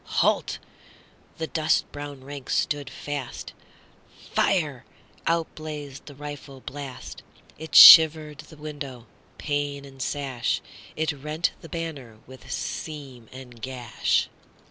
"Halt!"—the dust brown ranks stood fast,"Fire!"—out blazed the rifle blast.It shivered the window, pane and sash; It rent the banner with seam and gash.